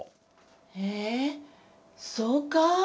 えそうか？